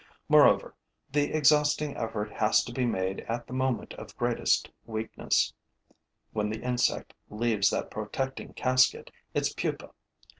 Moreover, the exhausting effort has to be made at the moment of greatest weakness, when the insect leaves that protecting casket, its pupa.